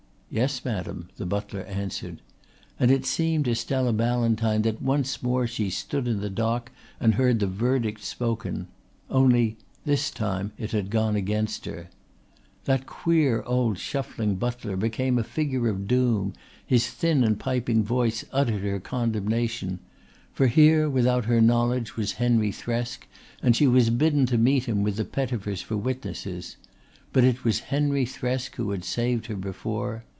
"Yes, madam," the butler answered; and it seemed to Stella Ballantyne that once more she stood in the dock and heard the verdict spoken. Only this time it had gone against her. That queer old shuffling butler became a figure of doom, his thin and piping voice uttered her condemnation. For here without her knowledge was Henry Thresk and she was bidden to meet him with the Pettifers for witnesses. But it was Henry Thresk who had saved her before.